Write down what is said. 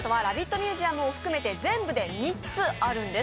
ミュージアムを含めて全部で３つあるんです。